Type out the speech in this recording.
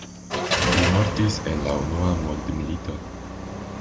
Li mortis en la unua mondmilito.